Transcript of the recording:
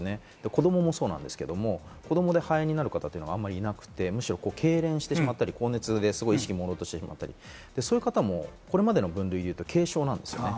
子供もそうなんですけど、子供や肺炎になる方というのはあまりいなくて、むしろ痙攣してしまったり、高熱で意識が朦朧としたり、そういう方もこれまでの分類でいうと軽症です。